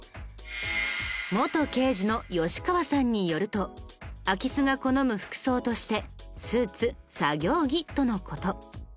元刑事の吉川さんによると空き巣が好む服装としてスーツ作業着との事。